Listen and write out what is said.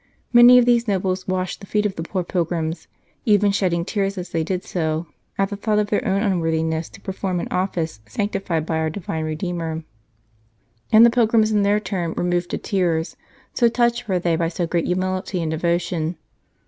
... Many of these nobles washed the feet of the poor pilgrims, even shedding tears as they did so, at the thought of their own unworthi ness to perform an office sanctified by our Divine Redeemer ; and the pilgrims in their turn were moved to tears, so touched were they by so great humility and devotion.